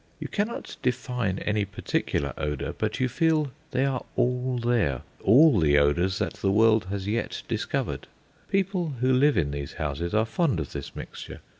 You cannot define any particular odour, but you feel they are all there all the odours that the world has yet discovered. People who live in these houses are fond of this mixture.